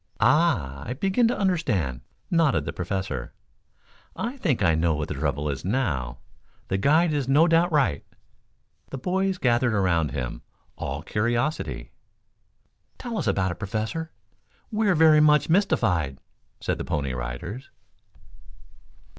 "Ah! I begin to understand," nodded the Professor. "I think I know what the trouble is now. The guide is no doubt right." The boys gathered around him, all curiosity. "Tell us about it, Professor. We are very much mystified?" said the Pony Riders.